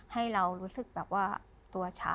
ให้เรารู้สึกแบบว่าตัวช้า